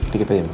sedikit aja mak